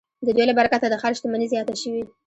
د دوی له برکته د ښار شتمني زیاته شوې.